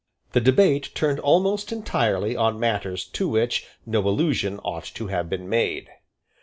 The debate turned almost entirely on matters to which no allusion ought to have been made.